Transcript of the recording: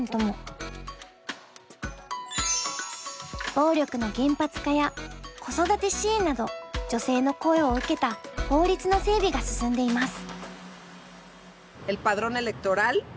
暴力の厳罰化や子育て支援など女性の声を受けた法律の整備が進んでいます。